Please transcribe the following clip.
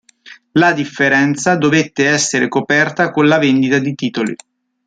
La differenza dovette essere coperta con la vendita di titoli.